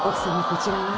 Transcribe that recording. こちらは？